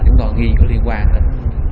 chúng tôi ghi có liên quan đến